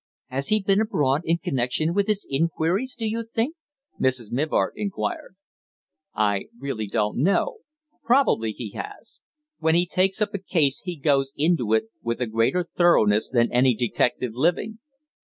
"Has he been abroad in connection with his inquiries, do you think?" Mrs. Mivart inquired. "I really don't know. Probably he has. When he takes up a case he goes into it with a greater thoroughness than any detective living."